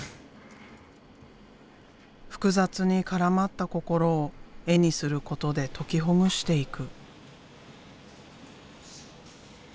複雑に絡まった心を絵にすることで解きほぐしていく。